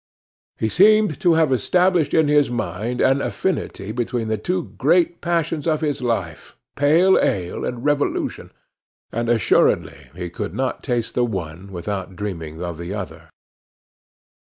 He seemed to have established in his mind an affinity between the two great passions of his life pale ale and revolution and assuredly he could not taste the one without dreaming of the other.